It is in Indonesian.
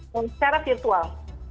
jadi secara virtual